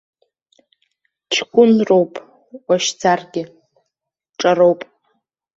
Ҷкәынроуп уашьӡаргьы, ҿароуп.